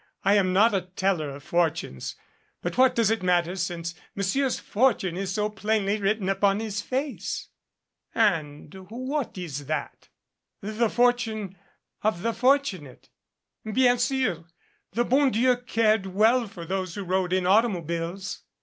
"I am not a teller of fortunes. But what does it matter since Monsieur's fortune is so plainly written upon his face." "And what is that?" "The fortune of the fortunate. Bien sur. The bon Dleu cared well for those who rode in automobiles."